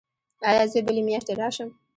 ایا زه بلې میاشتې راشم؟